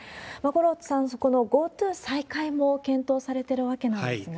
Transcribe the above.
五郎さん、このＧｏＴｏ再開も検討されてるわけなんですが。